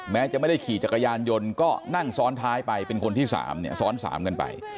แม้จะไม่ได้ขี่จักรยานยนต์ก็นั่งซ้อนท้ายไปเป็นคนที่๓เนี่ยซ้อน๓กันไป